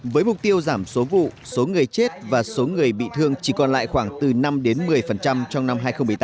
với mục tiêu giảm số vụ số người chết và số người bị thương chỉ còn lại khoảng từ năm một mươi trong năm hai nghìn một mươi tám